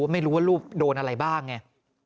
ไม่รู้ว่าลูกโดนอะไรบ้างไง